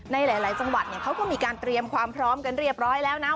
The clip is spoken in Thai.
ในหลายจังหวัดเนี่ยเขาก็มีการเตรียมความพร้อมกันเรียบร้อยแล้วนะ